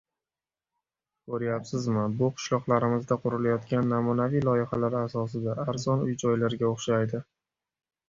Ko'ryapsizmi, bu qishloqlarimizda qurilayotgan namunaviy loyihalar asosida arzon uy -joylarga o'xshaydi